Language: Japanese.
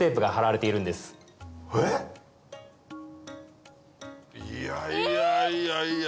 えっ⁉いやいやいや！